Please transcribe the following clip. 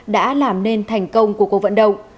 đã làm nên thành công của cuộc vận động